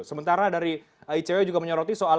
sementara dari icw juga menyoroti soal